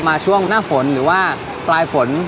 ช่วงหน้าฝนหรือว่าปลายฝน